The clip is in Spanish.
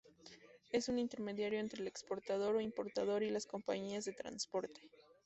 Es un intermediario entre el exportador o importador y las compañías de transporte.